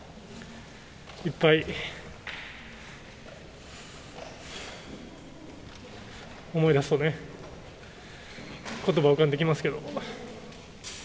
いっぱい思い出すとね、ことばが浮かんできますけど。